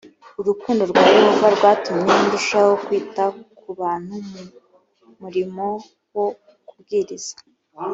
urukundo rwa yehova rwatumye ndushaho kwita ku bantu mu murimo wo kubwiriza